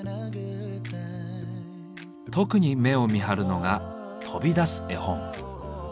特に目を見張るのが「飛び出す絵本」。